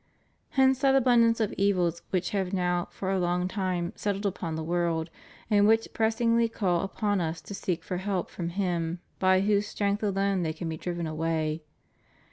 Hence that abundance of evils which have now for a long time settled upon the world, and which pressingly call upon us to seek for help from Him by whose strength alone they can be driven away.